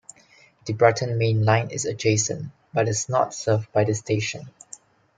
The Brighton main line is adjacent, but is not served by this station.